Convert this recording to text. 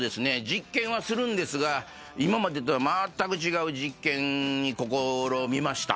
実験はするんですが今までとはまーったく違う実験に試みました。